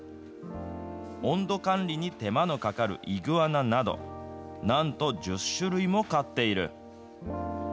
温度管理に手間のかかるイグアナなど、なんと１０種類も飼っている。